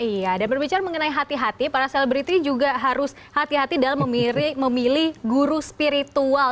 iya dan berbicara mengenai hati hati para selebriti juga harus hati hati dalam memilih guru spiritual